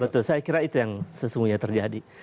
betul saya kira itu yang sesungguhnya terjadi